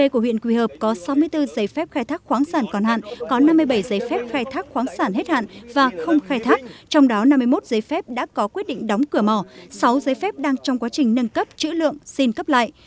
của huyện quỳ hợp có sáu mươi bốn giấy phép khai thác khoáng sản còn hạn có năm mươi bảy giấy phép khai thác khoáng sản hết hạn và không khai thác trong đó năm mươi một giấy phép đã có quyết định đóng cửa mỏ sáu giấy phép đang trong quá trình nâng cấp chữ lượng xin cấp lại